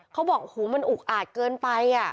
เขาบอกมันอุกอาจเกินไป